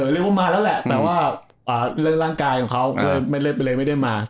เรียกว่ามาแล้วแหละแต่ว่าเรื่องร่างกายของเขาไม่ได้ไปเลยไม่ได้มา